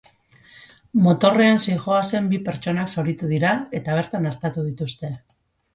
Motorrean zihoazen bi pertsonak zauritu dira, eta bertan artatu dituzte.